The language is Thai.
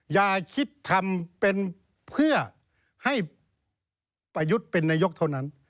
อย่าคิดทำเป็นเพื่อให้ประยุทธ์เป็นนายกเท่านั้น